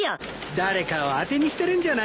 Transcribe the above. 誰かを当てにしてるんじゃないかい？